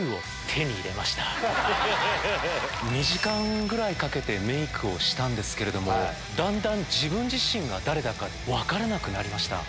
２時間ぐらいかけてメイクをしたんですけれどもだんだん自分自身が誰だか分からなくなりました。